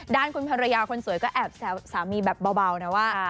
ด้านคุณภรรยาคนสวยก็แอบแซวสามีแบบเบานะว่า